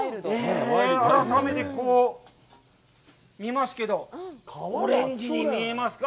改めて見ますけど、オレンジに見えますか。